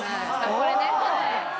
これね。